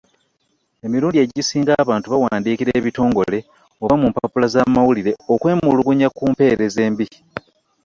Emirundi egisinga abantu bawandiikira ebitongole oba mu mpapula z’amawulire okwemulugunya ku mpeereza embi.